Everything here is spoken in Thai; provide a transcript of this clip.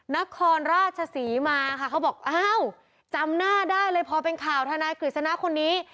นครราชศรีมาค่ะเขาบอกอ้าวจำหน้าได้เลยพอเป็นข่าวทนายกฤษณะคนนี้